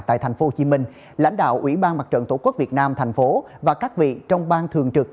tại tp hcm lãnh đạo ủy ban mặt trận tổ quốc việt nam tp hcm và các vị trong bang thường trực